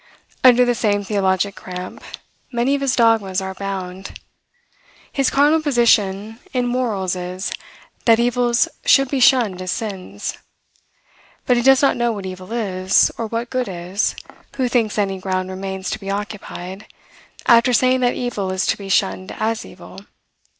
Under the same theologic cramp, many of his dogmas are bound. His cardinal position in morals is, that evils should be shunned as sins. But he does not know what evil is, or what good is, who thinks any ground remains to be occupied, after saying that evil is to be shunned as evil.